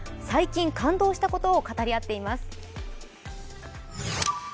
最近感動したことを語り合っています。